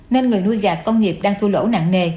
nên người nuôi gà công nghiệp đang thua lỗ nặng nề